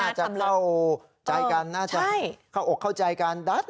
พอเช็คกล้องดูก็เลยอ้าวเห็นเลย